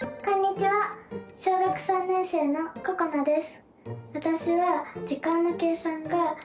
小学３年生のここなです。